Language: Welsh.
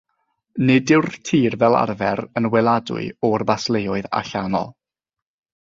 Nid yw'r tir fel arfer yn weladwy o'r basleoedd allanol.